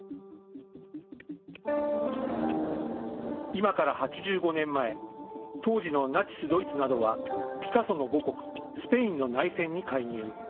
今から８５年前、当時のナチス・ドイツなどはピカソの母国、スペインの内戦に介入。